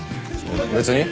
別に。